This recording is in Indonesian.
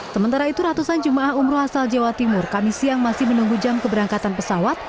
sementara itu ratusan jemaah umroh asal jawa timur kami siang masih menunggu jam keberangkatan pesawat